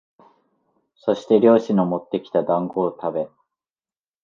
そして猟師のもってきた団子をたべ、